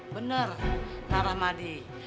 bener pak ramadi